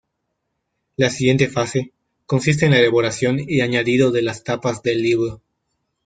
La siguiente fase consiste en la elaboración y añadido de las tapas del libro.